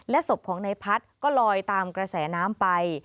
ศพของนายพัฒน์ก็ลอยตามกระแสน้ำไป